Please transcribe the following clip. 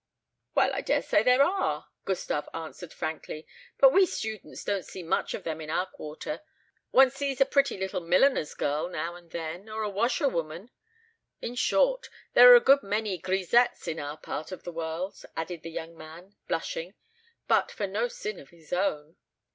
"Well, I dare say there are," Gustave answered frankly; "but we students don't see much of them in our quarter. One sees a pretty little milliner's girl now and then, or a washerwoman. In short, there are a good many grisettes in our part of the world," added the young man, blushing, but for no sin of his own.